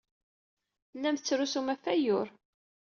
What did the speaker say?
Tellam tettrusum ɣef wayyur.